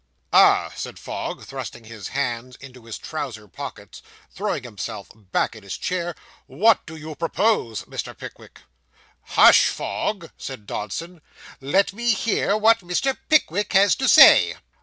'Ah!' said Fogg, thrusting his hands into his trousers' pockets, and throwing himself back in his chair, 'what do you propose, Mr Pickwick?' 'Hush, Fogg,' said Dodson, 'let me hear what Mr. Pickwick has to say.